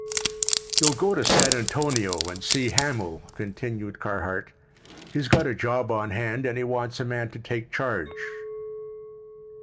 "You'll go to San Antonio and see Hamil," continued Carhart. "He's got a job on hand and he wants a man to take charge."